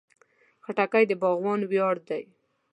خټکی د باغوان ویاړ دی.